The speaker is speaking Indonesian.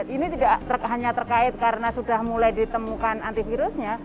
ini tidak hanya terkait karena sudah mulai ditemukan antivirusnya